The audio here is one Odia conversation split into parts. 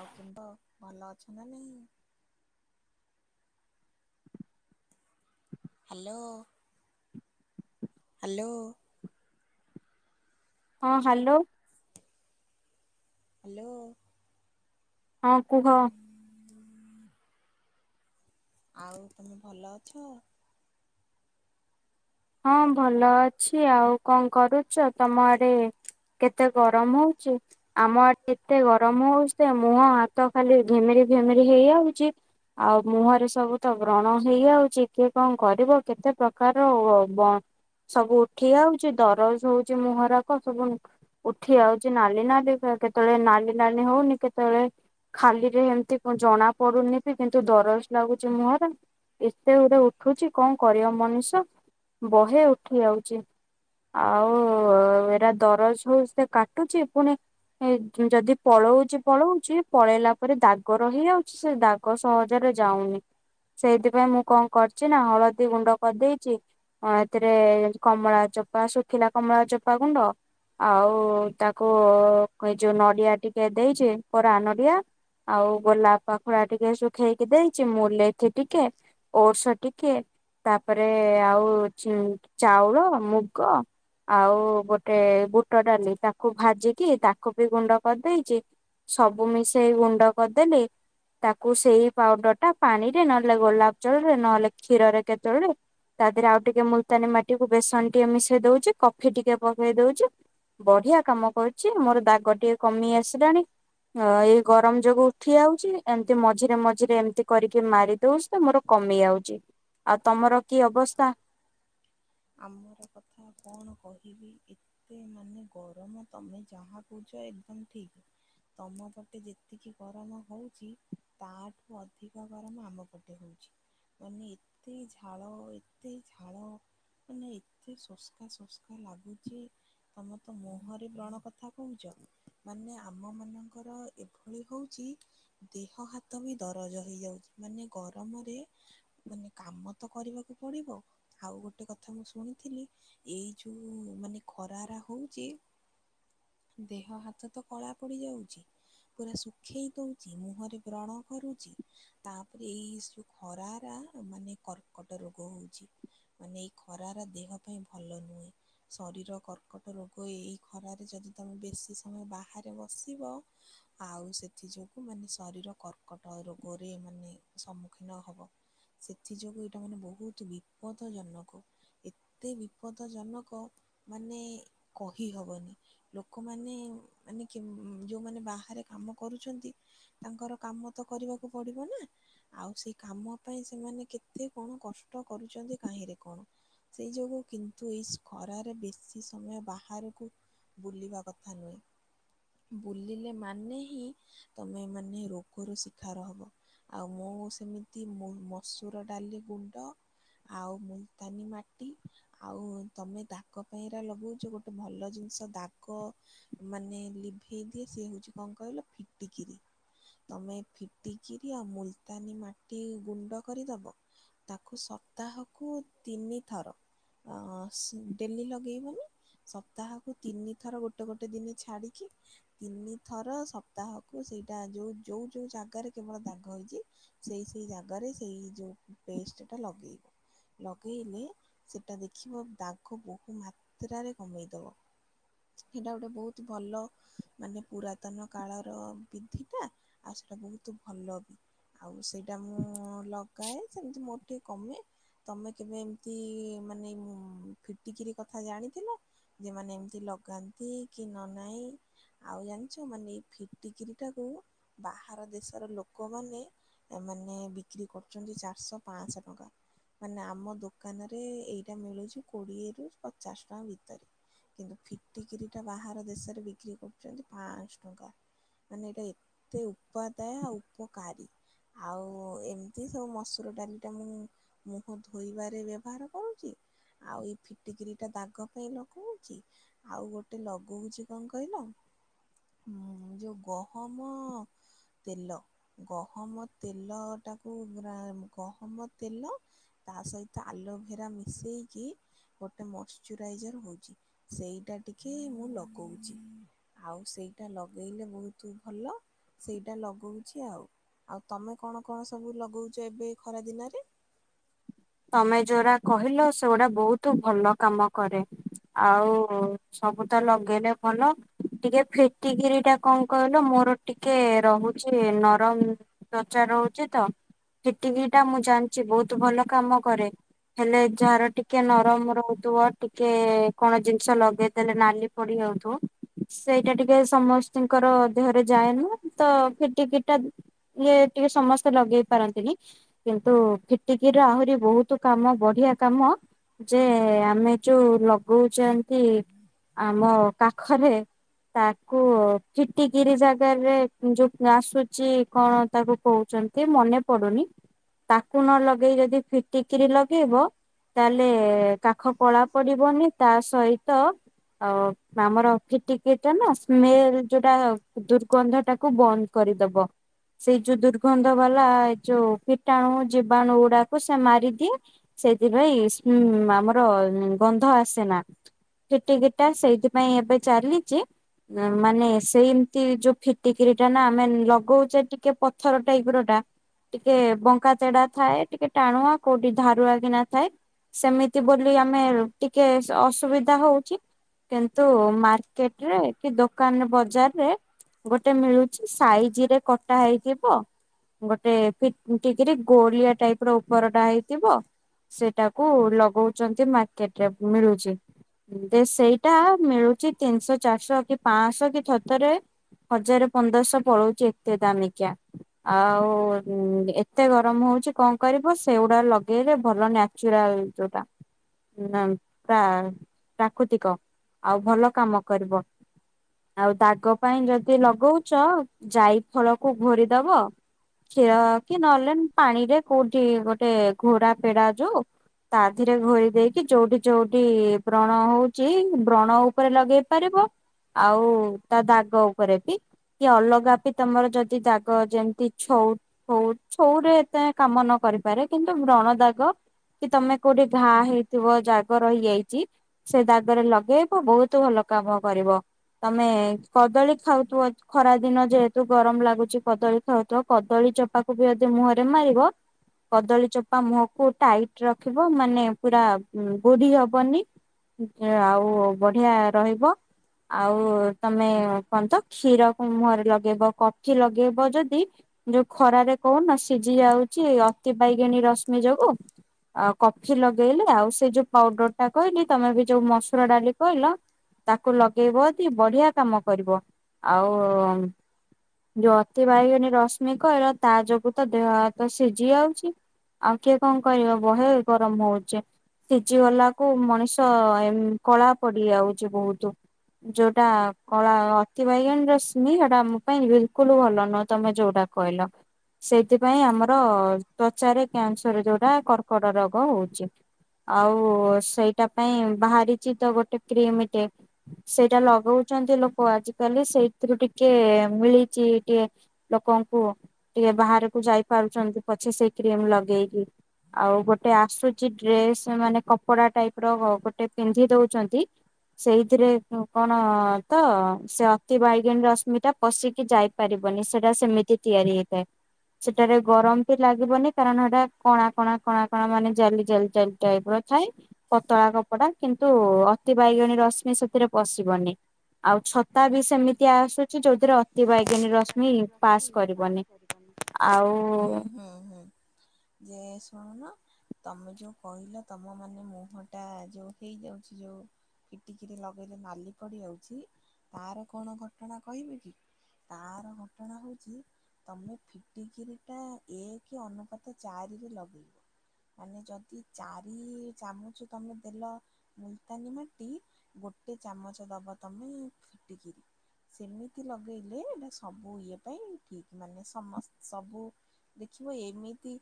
ଆଉ କିମ୍ବ ଭଲ ଅଛ ନା ନାହିଁ? ହାଲୋ। ହାଲୋ। ହଁ ହାଲୋ। ହ୍ୟାଲୋ। ହଁ କୁହ। ଆଉ ତୁମେ ଭଲ ଅଛ? ହଁ ଭଲ ଅଛି ଆଉ କଣ କରୁଚ ତମ ଆଡ଼େ କେତେ ଗରମ ହୋଉଚି? ଆମ ଆଡେ ଏତେ ଗରମ ହୋଉଚି ଯେ ମୁହଁ ହାତ ଖାଲି ଘିମିରି ଫିମିରି ହେଇଯାଉଛି। ଆଉ ମୁହଁରେ ସବୁ ତ ବ୍ରଣ ହେଇଯାଉଛି କିଏ କଣ କରିବ କେତେ ପ୍ରକାର ଔ ବ ସବୁ ଉଠି ଯାଉଛି ଦରଜ ହୋଉଚି ମୁହଁରାକ ସବୁ ଉଠି ଆଉଚି ନାଲି ନାଲି କେତେବେଳେ ନାଲି ନାଲି ହୋଉନି କେତେବେଳେ ଖାଲିରେ ଏମତି ଜଣା ପଡୁନି ବି କିନ୍ତୁ ଦରଜ ଲାଗୁଛି ମୁହଁରେ। ଏତେ ଗୁଡେ ଉଠୁଛି କଣ କରିବ ମଣିଷ। ବହେ ଉଠି ଯାଉଚି। ଆଉ ଏରା ଦରଜ ହୋଉଛି ଯେ କାଟୁଚି ଫୁଣି ଯଦି ପଳୋଉଚି ପଳୋଉଚି ପଳେଇଲା ପରେ ଦାଗ ରହି ଯାଉଛି ସେ ଦା ଗ ସହଜରେ ଯାଉନି ସେଇଥିପାଇଁ ମୁଁ କଣ କରିଚି ନା ହଳଦୀ ଗୁଣ୍ଡ କରିଦେଇଚି ହଁ ଏତିରେ କମଳା ଚୋପା ଶୁଖିଲା କମଳା ଚୋପା ଗୁଣ୍ଡ ଆଉ ତାକୁ ଏ ଯୋଉ ନଡିଆ ଟିକେ ଦେଇଚି କୋରା ନଡିଆ ଆଉ ଗୋଲାପ ପାଖୁଡା ଟିକେ ଶୁଖେଇକି ଦେଇଛି ମୁଲ୍ଏଠି ଟିକେ ଓର୍ଷ ଟିକେ ତାପରେ ଆଉ ଚାଉଳ, ମୁଗ ଆଉ ଗୋଟେ ବୁଟ ଡାଲି ତାକୁ ଭାଜିକି ତାକୁ ବି ଗୁଣ୍ଡ କରିଦେଇଚି ସବୁ ମିଶେଇ ଗୁଣ୍ଡ କରିଦେଲି। ତାକୁ ସେଇ ପାଉଡର୍ ଟା ପାଣି ରେ ନହେଲେ ଗୋଲାପ ଚଳରେ ନହେଲେ କ୍ଷୀରରେ କେତେବେଳେ ତା ଦେହରେ ଆଉ ଟିକେ ମୁଲତାନୀ ମାଟି କୁ ବେସନ ଟିକେ ମିଶେଇ ଦୋଉଚି କଫି ଟିକେ ପକେଇ ଦୋଉଚୁ ବଢିଆ କାମ କରୁଛି ମୋର ଦାଗ ଟିକେ କମି ଆସିଲାଣି। ଅ ଏଇ ଗରମ ଯୋଗୁ ଉଠି ଯାଉଛି ଏମିତି ମଝିରେ ମଝିରେ ଏମିତି କରିକି ମାରି ଦୋଉଚି ମୋର କମି ଯାଉଛି ଆଉ ତମର କି ଅବସ୍ଥା? ଆମର କଥା କଣ କହିବି ଏ ଏ ମାନେ ଗରମ ତମେ ଯାହା କହୁଛ ଏକଦମ ଠିକି। ତମ ପଟେ ଯେତିକି ଗରମ ହୋଉଚି ତାଠୁ ଅଧିକ ଗରମ ଆମ ପଟେ ହୋଉଚି। ମାନେ ଏତେ ଝାଳ ଏତେ ଝାଳ ମାନେ ଏତେ ସୋସ୍କା ସୋସ୍କା ଲାଗୁଛି ତମେ ତ ମୁହଁର ବ୍ରଣ କଥା କହୁଚ ମାନେ ଆମ ମାନଙ୍କର ଏଭଳି ହୋଉଚି ଦେହ ହାତ ବି ଦରଜ ହେଇଯାଉଛି ମାନେ ଗରମରେ ମାନେ କାମ ତ କରିବାକୁ ପଡିବ ଆଉ ଗୋଟେ କଥା କଥା ମୁଁ ଶୁଣିଥିଲି ଏଇ ଯୋଉ ମାନେ ଖରାରା ହୋଉଚି ଦେହ ହାତ ତ କଳା ପଡିଯାଉଛି। ପୁରା ଶୁଖେଇ ଦୋଉଛି ମୁହଁରେ ବ୍ରଣ କରୁଚି। ତାପରେ ଏଇ ସବୁ ଖରାରା ମାନେ କର୍କଟ ରୋଗ ହୋଉଚି ମାନେ ଏଇ ଖରାରା ଦେହ ପାଇଁ ଭଲ ନୁହେଁ। ଶରୀର କର୍କଟ ରୋଗ ଏଇ ଖରାରେ ଯଦି ତମେ ବେଶୀ ସମୟ ବାହାରେ ବସିବ ଆଉ ସେଥି ଯୋଗୁଁ ମାନେ ଶରୀର କର୍କଟ ରୋଗରେ ମାନେ ସମ୍ମୁଖୀନ ହବ। ସେଥି ଯୋଗୁଁ ଏଇଟା ମାନେ ବହୁତ ବିପଦ ଜନକ। ଏତେ ବିପଦ ଜନକ ମାନେ କହିହବନି। ଲୋକମାନେ ମାନେ କେମ ଯୋଉମାନେ ବାହାରେ କାମ କରୁଚନ୍ତି ତାଙ୍କର କାମ ତ କରିବାକୁ ପଡିବ ନା। ଆଉ ସେ କାମ ପାଇଁ ସେମାନେ କେତେ କଣ କଷ୍ଟ କରୁଛନ୍ତି କାହିଁରେ କଣ। ସେଇ ଯୋଗୁଁ କିନ୍ତୁ ଶ୍ ଏଇ ଖରାରେ ବେଶୀ ସମୟ ବାହାରକୁ ବୁଲିବା କଥା ନୁହେଁ। ବୁଲିଲେ ମାନେ ହିଁ ତମେ ମାନେ ରୋଗରୁ ଶିକାର ହବ। ଆଉ ମୁଁ ସେମିତି ମଉ ମସୁର ଡାଲି ଗୁଣ୍ଡ ଆଉ ମୁଲତାନୀ ମାଟ ଆଉ ତମେ ଦାଗ ପାଇଁରା ଲଗଉଛ ଗୋଟେ ଭଲ ଜିନିଷ ଦାଗ ମାନେ ଲିଭେଇ ଦିଏ ସିଏ ହଉଚି କଣ କହିଲ ଫିଟିକିରି। ତମେ ଫିଟିକିରି ଆଉ ମୁଲତାନୀ ମାଟି ଗୁଣ୍ଡ କରିଦବ। ତାକୁ ସପ୍ତାହକୁ ତିନି ଥର ଆଁ ଶ୍ ଡେଲି ଲଗେଇବନି। ସପ୍ତାହକୁ ତିନି ଥର ଗୋଟେ ଗୋଟେ ଦିନି ଛାଡିକି ତିନିଥର ସପ୍ତାହକୁ ସେଇଟା ଯୋଉ ଯୋଉ ଯୋଉ ଜାଗାରେ କେବଳ ଦାଗ ହେଇଚି ସେଇ ସେଇ ଜାଗାରେ ସେଇ ଯୋଉ ପେଷ୍ଟ ଟା ଲଗେଇବ। ଲଗେଇଲେ ସେଇଟା ଦେଖିବ ଦାଗ ବହୁ ମାତ୍ରାରେ କମେଇଦବ। ସେଇଟା ଗୋଟେ ବହୁତ ଭଲ। ମାନେ ପୁରାତନ କାଳର ବିଧିଟା ଆଉ ସେଇଟା ବହୁତ ଭଲ ବି। ଆଉ ସେଇଟା ମୁଁ ଲଗାଏ ସେମିତି ମୋର ଟିକେ କମେ ତମେ କେବେ ଏମ୍ ତି ମାନେ ଉଁ ଫିଟିକିରି କଥା ଜାଣିଥିଲ। ଯେମାନେ ଏମିତି ଲଗାନ୍ତି କି ନ ନାହିଁ। ଆଉ ଜାଣିଛ ମାନେ ଏଇ ଫିଟିକିରିଟାକୁ ବାହାର ଦେଶର ଲୋକମାନେ ଏମାନେ ବିକ୍ରି କରୁଚନ୍ତି ଚାରିଶହ ପାଞ୍ଚଶହ ଟଙ୍କା ମାନେ ଆମ ଦୋକାନ ଦୋକାନରେ ଏଇଟା ମିଳୁଛି କୋଡିଏରୁୁ ପଚାଶ ଟଙ୍କା ଭିତରେ। କିନ୍ତୁ ଫିଟିକିରି ଟା ବାହାର ଦେଶରେ ବିକ୍ରି କରୁଚନ୍ତି ପାଞ୍ଚଶହ ଟଙ୍କା। ମାନେ ଏଇଟା ଏତେ ଉପାଦାୟ ଉପକାରୀ। ଆଉ ଏମିତି ସବୁ ମସୁର ଡାଲି ଟା ମୁଁ ମୁହଁ ଧୋଇବା ବ୍ୟବହାର କରୁଚି ଆଉ ଏଇ ଫିଟିକିରି ଟା ଦାଗ ପାଇଁ ଲଗଉଚି। ଆଉ ଗୋଟେ ଲଗଉଛି କଣ କହିଲ? ହୁଁ ଯୋଉ ଗହମ ତେଲ ଗହମ ତେଲଟାକୁ ପୁରା ଗହମ ତେଲ ତା ସହିତ ଆଲୋଭେରା ମିଶେଇକି ଗୋଟେ ମଶ୍ଚୁରାଇଜର୍ ହଉଚି ସେଇଟା ଟିକିଏ ମୁଁ ଲଗାଉଚି। ଆଉ ସେଇଟା ଲଗେଇଲେ ବହୁତ ଭଲ। ସେଇଟା ଲଗଉଛି ଆଉ, ଆଉ ତମେ କଣ କଣ ସବୁ ଲଗଉଛ ଏବେ ଖରା ଦିନରେ? ତମେ ଯୋଉଟା କହିଲ ସେଗୁଡା ବହୁତ ଭଲ କାମ କରେ ଆଉ ସବୁ ତ ଲଗେଇଲେ ଭଲ। ଟିକେ ଫିଟିକିରି ଟା କଣ କହିଲ ମୋର ଟିକେ ରହୁଛି ନରମ ତ ଚା ରହୁଛି ତ ଫିଟିକିରି ଟା ମୁଁ ଜାଣିଚି ବହୁତ ଭଲ କାମ କରେ। ହେଲେ ଜର ଟିକେ ନରମ ରହୁଥିବ ଟିକେ-, କଣ ଜିନିଷ ଲଗେଇ ଦେଲେ ନାଲି ପଡିଯାଉଥିବ। ସେଇଟା ଟିକେ ସମସ୍ତଙ୍କର ଦେହରେ ଯାଏନି। ତ ଫିଟିକିରିଟା ଇଏ ଟିକେ ସମସ୍ତେ ଲଗେଇ ପାରନ୍ତିନି କିନ୍ତୁ ଫିଟିକି। ର ଆହୁରି ବହୁତ କାମ ବଢିଆ କାମ ଯେ ଆମେ ଯୋଉ ଲଗଉଛନ୍ତି ଆମ କାଖରେ। ତାକୁ ଫିଟିକିରି ଜାଗାରେ ଯୋଉ ଆସୁଛି କଣ ତାକୁ କହୁଛନ୍ତି ମନେ ପଡୁନି ତାକୁ ନ ଲଗେଇ ଯଦି ଫିଟିକିରି ଲଗେଇବ। ତାହେଲେ କାଖ କଳା ପଡିବନି ତା ସହିତ, ଆଉ ଆମର ଫିଟିକିରିଟା ନା ନୁହ ସ୍ମେଲ ଯୋଉଟା ଦୁର୍ଗନ୍ଧଟାକୁ ବନ୍ଦ କରିଦବ। ସେଇ ଯୋଉ ଦୁର୍ଗନ୍ଧ ବାଲା ଏ ଯୋଉ କୀଟାଣୁ, ଜୀବାଣୁ ଗୁଡାକୁ ସେ ମାରିଦିଏ ସେଥିପାଇଁ ଉ ଆମର ଗନ୍ଧ ଆସେନା। ଫିଟିକିରିିଟା ସେଇଥିପାଇଁ ଏବେ ଚାଲିଛି। ମାନେ ସେମତି ଯୋଉ ଫିଟିକିରିଟା ନା ଆମେ ଲଗଉଛେ ଟିକେ ପଥର ଟାଇପର ଟା। ଟିକେ ବଙ୍କା ତେଡା ଥାଏ ଟିକେ ଟାଣୁଆ କୋଉଠି ଧାରୁଆ କିନା ଥାଏ। ସେମିତି ବୋଲି ଆମେ ଟିକେ ଅସୁବିଧା ହଉଛି। କିନ୍ତୁ ମାର୍କେଟରେ କି ଦୋ ଦୋକାନ ବଜାରରେ ଗୋଟେ ମିଳୁଛି ସାଇଜରେ କଟା ହେଇଥିବ। ଗୋଟେ ପି ଟିକିରି ଗୋଳିଆ ଟାଇପର ଉପରଟା ହେଇଥିବ। ସେଟାକୁ ଲଗଉଛନ୍ତି ମାର୍କେଟରେ ମିଳୁଛି। ଦେ ସେଇଟା ମିଳୁଛି ତିନିଶହ ଚାରିଶହ କି ପାଞ୍ଚଶହ କି ସତରେ ହଜାର ପନ୍ଦରଶହ ପଳଉଛି ଏତେ ଦାମିକିଆ ଆଉ ଉ ଦେ ଏତେ ଗରମ ହଉଛି କଣ ଲଗେଇବ ସେଗୁଡା ଲଗେଇଲେ ଭଲ ନାଚୁରାଲ ଯୋଉଟା ପ୍ରା ପ୍ରାକୃତିକ ଆଉ ଭଲ କାମ କରିବ। ଆଉ ଦାଗ ପାଇଁ ଯଦି ଲଗଉଚ ଯାଇ ଫଳକୁ ଘୋରିଦବ? କ୍ଷୀର କି ନହେଲେ ପାଣିରେ କୋଉଠି ଗୋଟେ ଘୋରା ପେଡା ଯୋଉ ତାଥିରେ ଘୋରିଦେଇକି ଯୋଉଠି ଯୋଉଠି ବ୍ରଣ ହଉଛି ବ୍ରଣ ଉପରେ ଲଗେଇ ପାରିବ। ଆଉ ତା ଦାଗ ଉପରେ ବି କି ଅଲଗା ବି ତମର ଯଦି ଦାଗ ଯେମିତି ଛଉ ଛଉ ଛଉରେ ଏତେ କାମ ନକରିପାରେ କିନ୍ତୁ ବ୍ରଣ ଦାଗ କି ତମେ କୋଉଠି ଘାଁ ହେଇଥିବ ଦାଗ ରହିଯାଇଛି ସେ ଦା ଲଗେଇବ ବହୁତ ଭଲ କାମ କରିବ ତମେ କଦଳୀ ଖାଉଥିବ ଖରା ଦିନ ଯେହେତୁ ତୁ ଗରମ ଲାଗୁଚି କଦଳୀ ଖାଉଥ କଦଳୀ ଚୋପାକୁ ବି ଯଦି ମୁହଁରେ ମାରିବ। କଦଳୀ ଚୋପା ମୁହଁକୁ ଟାଇଟ ରଖିବ ମାନେ ପୁରା ବୁଢୀ ହବନି। ଆଉ ବଢିଆ ରହିବ ଆଉ ତମେ କଣ ତ କ୍ଷୀର ମୁହଁରେ ଲଗେଇବ କ ଆଖି ଲଗେଇବ ଯଦି ଯୋଉ ଖରାରେ କହୁନ ସିଝି ଯାଉ ଛି ଅତି ଅତି ବାଇଗଣୀ ରଶ୍ମି ଯୋଗୁ। ଆଉ କଫି ଲଗେଇଲେ ଆଉ ସେ ଯୋଉ ପାଉଡର ଟା କହିଲି ତମେ ବି ଯୋଉ ମସୁର ଡାଲି କହିଲ? ତାକୁ ଲଗେଇବ ଯଦି ବଢିଆ କାମ କରିବ ଆଉ ଯୋଉ ଅତି ବାଇଗଣୀ ରଶ୍ମି କହିଲ ତା ଯୋଗୁ ତ ଦେହ ତ ସିଝି ଯାଉଛି। ଆଉ କିଏ କଣ କହିବ ବହେ ଗରମ ହଉଛି। ସିଝିଗଲାକୁ ମଣିଷ ଏ କଳା ପଡିଯାଉଛି ବହୁତ। ଯୋଉଟା କଳା ଅତି ବାଇଗଣୀ ରଶ୍ମି ହେଟା ଆମ ପାଇଁ ବିଲକୁଲ ଭଲ ନୁହଁ ତମେ ଯୋଉଟା କହିଲ ସେଇଥିପାଇଁ ଆମର ତ୍ୱଚାରେ କ୍ୟାନସର ଯୋଉଟା କର୍କଟ ରୋଗ ହଉଛି। ଆଉ ସେଇଟା ପାଇଁ ବାହାରିଛି ତ ଗୋଟେ କ୍ରିମିଟେ। ସେଇଟା ଲଗଉଛନ୍ତି ଲୋକ ଆଜିକାଲି ସେଇଥିରୁ ଟିକେ ମିଳିଛି ଟିକେ ଲୋକଙ୍କୁ ଟିକେ ବାହାରକୁ ଯାଇ ପାରୁଛନ୍ତି ପଛେ ସେଇ କ୍ରିମ ଲଗେଇକି। ଆଉ ଗୋଟେ ଆସୁଛି ଡ୍ରେସ ମାନେ କପଡା ଟାଇପ ର ଗୋଟେ ପିନ୍ଧି ଦଉଛନ୍ତି। ସେଇଥିରେ କଣ ତ ସେ ଅତି ବାଇଗଣୀ ରଶ୍ମି ଟା ପଶିକି ଯାଇ ପାରିବନି ସେଟା ସେମିତି ତିଆରି ହେଇଥାଏ ସେଟାରେ ଗରମ ବି ଲାଗିବନି କାରଣ ହେଟା କଣା କଣା କଣା କଣା ମାନେ ଜାଲି ଜାଲି ଜାଲି ଟାଇପ ର ଥାଏ ପତଳା କପଡା। କିନ୍ତୁ ଅତି ବାଇଗଣୀ ରଶ୍ମି ସେଥିରେ ପଶିବନି। ଆଉ ଛତା ବି ସେମିତି ଆସୁଛି ଯୋଉଥିରେ ଅତି ବାଇଗଣୀ ରଶ୍ମି ପାସ୍ କରିବନି। ହୁଁ ହଁ ହଁ ହଁ ଯେ ଶୁଣୁ ନ? ତମେ ଯୋଉ କହିଲ ତମ ମାନେ ମୁହଁ ଟା ଯୋଉ ହେଇଯାଉଛି ଯୋଉଁ କିିଟିକିରି ଲଗେଇଲେ ନାଲି ପଡିଯାଉଛି ତାର କଣ ଘଟଣା କହିବେ କି? ତାର ଘଟଣା ହୋଉଛି? ତମେ ଫିଟିକିରି ଟା ଏକ କି ଅନୁପାତ ଚାରିରେ ଲଗେଇବ। ମାନେ ଯଦି ଚାରି ଚାମଚ ତମେ ଦେଲ ମୁଲତାନୀ ମାଟି ଗୋଟେ ଚାମଚ ଦବ ତମେ ଫିଟିକିରି। ସେମିତି ଲଗେଇଲେ ଏଇଟା ସବୁ ଇଏ ପାଇଁ ଠିକ ମାନେ ସମସ୍ତ ସବୁ ଦେଖିବ ଏମିତି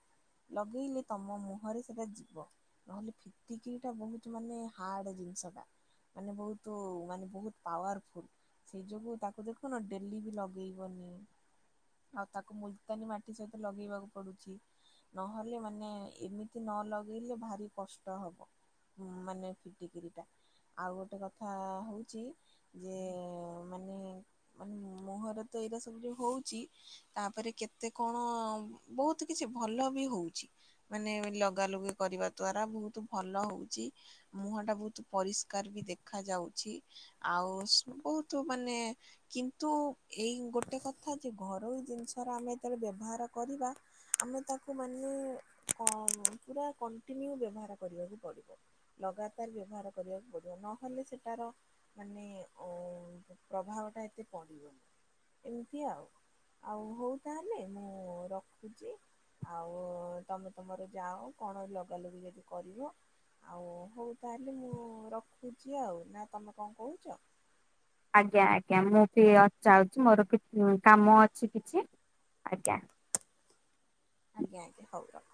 ଲଗେଇଲେ ତମ ମୁହଁରେ ସେଟା ଯିବ। ନହେଲେ ଫିଟିକିରିଟା ବହୁତ ମାନେ ହାର୍ଡ ଜିନିଷ ଟା। ମାନେ ବହୁତ ମାନେ ବହୁତ ପାୱାରଫ ଫୁଲ ସେଇ ଯୋଗୁ ତାକୁ ଦେଖୁନ ଡେଲି ବି ଲଗେଇବନି। ଆଉ ତାକୁ ମୁଲତାନୀ ମାଟି ସହିତ ଲଗେଇବାକୁ ପଡୁଛି। ନହେଲେ ମାନେ ଏମିତି ନ ଲଗେଇଲେ ଭାରି କଷ୍ଟ ହବ। ମାନେ ଫିଟିକିରିଟା ଆଉ ଗୋଟେ କଥା ହେଉଛି ଯେ ମାନେ ମାନେ ମୁହଁରେ ତ ଏଇରା ସବୁ ଯୋଉ ହେଉଛି ତାପରେ କେତେ କଣ ବହୁତ କିଛି ଭଲ ବି ହଉଛି। ମାନେ ଲଗାଲଗି କରିବା ଦ୍ୱାରା ବହୁତ ଭଲ ହଉଛି। ମୁହଁ ଟା ବହୁତ ପରିଷ୍କାର ବି ଦେଖ ଯାଉଛି ଆଉ ବହୁତ ମାନେ କିନ୍ତୁ ଏଇ ଗୋଟେ କଥା ଯେ ଘରୋଇ ଜିନିଷର ଆମେ ଯେତେବେଳେ ବ୍ୟବହାର କରିବା ଆମେ ତାକୁ ମାନେ ପୁରା କଣ୍ଟିନ୍ୟୁ ବ୍ୟବହାର କରିବାକୁ ପଡିବ। ଲଗାତାର ବ୍ୟବହାର କରିବାକୁ ପଡ଼ିବ ନହେଲେ ସେଟାର ମାନେ ଓଁ ପ୍ରଭାବ ଟା ଏତେ ପଡିବନି ଏମିତି ଆଉ। ଆଉ ହଉ ତାହେଲେ ମୁଁ ରଖୁଛି। ଆଉ ତମେ ତୁମର ଯାଅ କଣ ଲଗାଲଗି ଯଦି କରିବ। ଆଉ ହଉ ତାହେଲେ ମୁଁ ରଖୁଛି ଆଉ ନା ତୁମେ କଣ କହୁଛ? ଆଜ୍ଞା ଆଜ୍ଞା ମୁଁ ବି ଯାଉଛି ମୋର ବି କାମ ଅଛି କିଛି ଆଜ୍ଞା। ଆଜ୍ଞା ଆଜ୍ଞା ହଉ ରଖ।